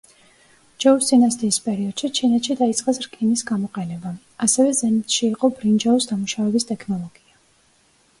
ჯოუს დინასტის პერიოდში ჩინეთში დაიწყეს რკინის გამოყენება, ასევე ზენიტში იყო ბრინჯაოს დამუშავების ტექნოლოგია.